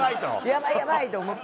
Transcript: やばいやばい！と思って。